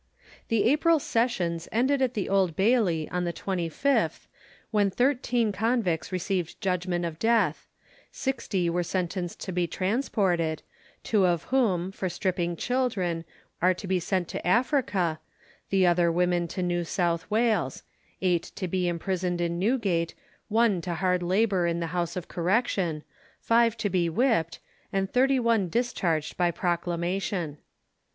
The April sessions ended at the Old Bailey, on the 25th, when 13 convicts received judgment of death; 60 were sentenced to be transported, two of whom, for stripping children, are to be sent to Africa, the other women to New South Wales; 8 to be imprisoned in Newgate; 1 to hard labour in the house of correction; 5 to be whipped; and 31 discharged by proclamation.